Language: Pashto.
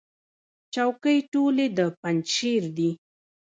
چوکۍ ټولې د پنجشیر دي.